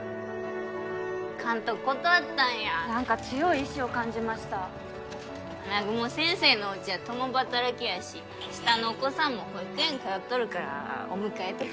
監督断ったんや何か強い意志を感じました南雲先生のおうちは共働きやし下のお子さんも保育園通っとるからお迎えとか